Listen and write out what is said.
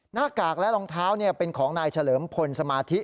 หน้ากากและรองเท้าเป็นของนายเฉลิมพลสมาธิ